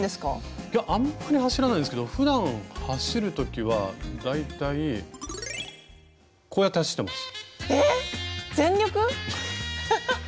いやあんまり走らないですけどふだん走る時は大体こうやって走ってます。